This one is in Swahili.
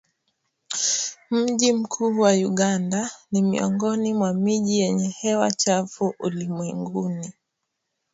Mji mkuu wa Uganda ni miongoni mwa miji yenye hewa chafu ulimwenguni